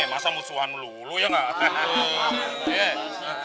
masa musuhan melulu ya enggak